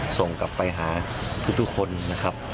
ส่งกลับไปหาทุกคนนะครับ